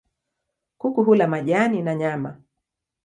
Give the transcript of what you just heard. Kuku hula majani na nyama.